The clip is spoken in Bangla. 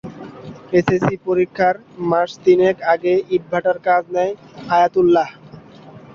এসএসসি পরীক্ষার মাস তিনেক আগে ইটভাটার কাজ নেয় আয়াতুল্লাহ।